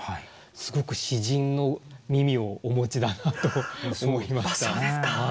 すごく詩人の耳をお持ちだなと思いました。